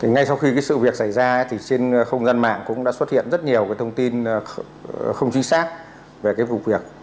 ngay sau khi sự việc xảy ra trên không gian mạng cũng đã xuất hiện rất nhiều thông tin không chính xác về vụ việc